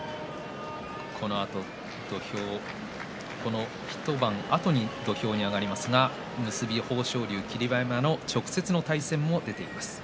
このあと１番あとに土俵に上がりますが結び豊昇龍、霧馬山の直接の対戦もあります。